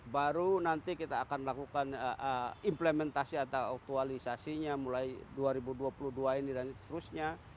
baru nanti kita akan melakukan implementasi atau aktualisasinya mulai dua ribu dua puluh dua ini dan seterusnya